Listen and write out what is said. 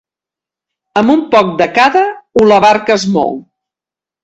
Amb un poc de cada u la barca es mou.